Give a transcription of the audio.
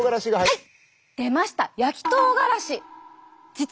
はい！